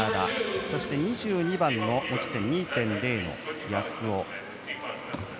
そして２２番の持ち点２．０の安尾。